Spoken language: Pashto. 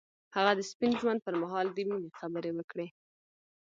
هغه د سپین ژوند پر مهال د مینې خبرې وکړې.